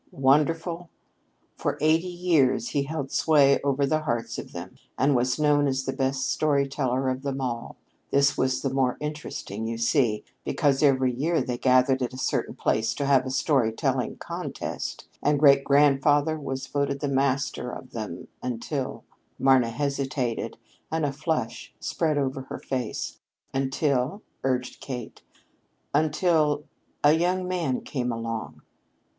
"Wonderful? For eighty years he held sway over the hearts of them, and was known as the best story teller of them all. This was the more interesting, you see, because every year they gathered at a certain place to have a story telling contest; and great grandfather was voted the master of them until " Marna hesitated, and a flush spread over her face. "Until " urged Kate. "Until a young man came along.